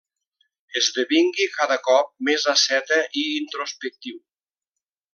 Esdevingui cada cop més asceta i introspectiu.